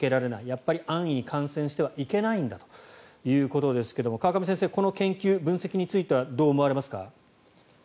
やっぱり安易に感染してはいけないんだということですが川上先生、この研究分析についてはどう思われますか？